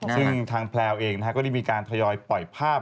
ซึ่งทางแพลวเองก็ได้มีการทยอยปล่อยภาพ